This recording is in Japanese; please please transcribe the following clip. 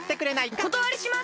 おことわりします！